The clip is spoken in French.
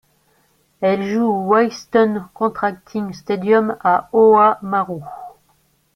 Elle joue au Whitestone Contracting Stadium à Oamaru.